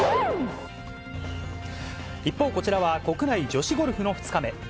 一方、こちらは国内女子ゴルフの２日目。